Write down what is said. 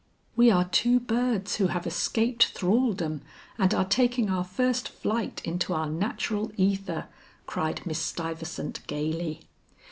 "We are two birds who have escaped thralldom and are taking our first flight into our natural ether," cried Miss Stuyvesant gaily.